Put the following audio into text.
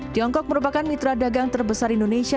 tiongkok merupakan mitra dagang terbesar indonesia